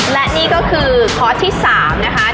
และนี่ก็คือข้อที่๓นะคะ